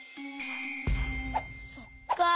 そっか。